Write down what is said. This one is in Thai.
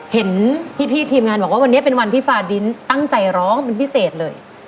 เห็นพี่ทีมงานบอกว่าวันนี้เป็นวันที่ฟาดินตั้งใจร้องเป็นพิเศษเลย